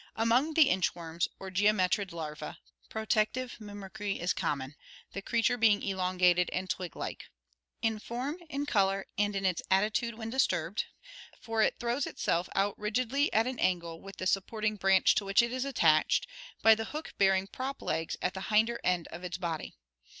— Among the inch worms, or geometrid larvae, protective mimicry is common, the creature being elongated and twig like (see Fig. 32) in form, in color, and in its attitude when disturbed, for it throws itself out rigidly at an angle with the sup porting branch to which it is attached by the hook bearing prop legs at the hinder end of its body.